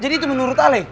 jadi itu menurut alih